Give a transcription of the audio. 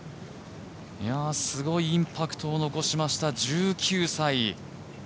すごいインパクトを残しました１９歳。